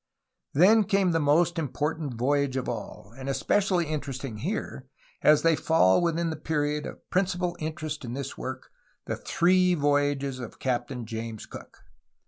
Then came the most important voyage of all, and espe cially interesting here, as they fall within the period of principal interest in this work, the three voyages of Captain James Cook.